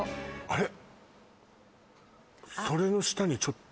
あれ？